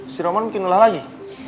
si roman mungkin lelah lagi